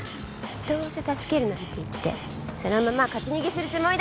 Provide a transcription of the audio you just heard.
どうせ助けるなんて言ってそのまま勝ち逃げするつもりだったんでしょ。